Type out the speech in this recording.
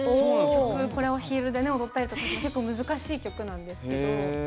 これはヒールで踊ったり結構難しい曲なんですけど。